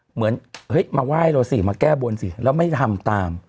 เหมือนเฮ้ยมาไหว้เราสิมาแก้บนสิแล้วไม่ทำตาม